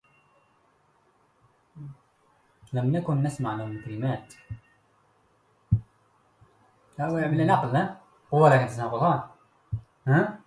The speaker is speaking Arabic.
لم نكن نسمع لون الكلمات